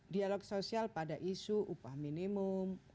dialog sosial pada isu upah minimum